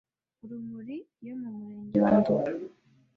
Urumuri yo mu murenge we Ndube,